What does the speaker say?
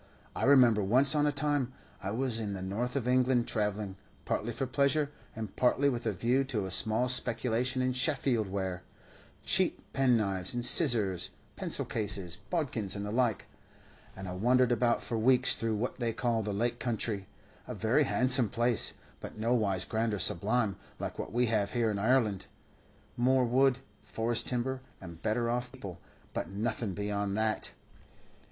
I remember, once on a time, I was in the north of England travelling, partly for pleasure, and partly with a view to a small speculation in Sheffield ware cheap penknives and scissors, pencil cases, bodkins, and the like and I wandered about for weeks through what they call the Lake Country, a very handsome place, but nowise grand or sublime, like what we have here in Ireland more wood, forest timber, and better off people, but nothing beyond that!